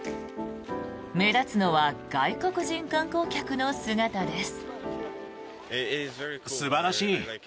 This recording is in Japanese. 目立つのは外国人観光客の姿です。